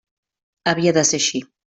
Havia de ser així.